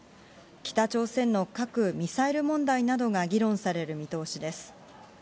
北朝鮮の核・ミサイル問題などが議論される見通しです。